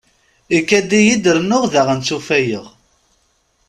Ikad-iyi-d rennuɣ daɣen ttufayeɣ.